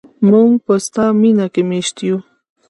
موږ په ستا مینه کې میشته یو.